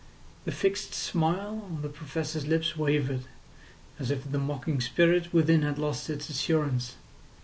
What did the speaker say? The fixed smile on the Professor's lips wavered, as if the mocking spirit within had lost its assurance.